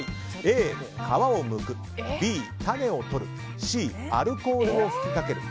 Ａ、皮をむくＢ、種をとるＣ、アルコールをふきかける。